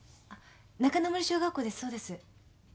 中之森小学校ですそうです。